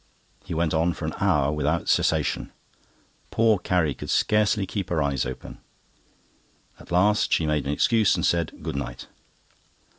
He went on for an hour without cessation. Poor Carrie could scarcely keep her eyes open. At last she made an excuse, and said "Good night."